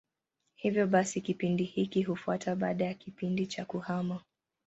Hivyo basi kipindi hiki hufuata baada ya kipindi cha kuhama.